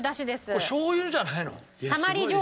これしょう油じゃないの？